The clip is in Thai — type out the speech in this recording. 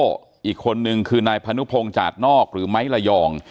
หรือโตโต้อีกคนนึงคือนายพนุพงจาดนอกหรือไม้ระย่อง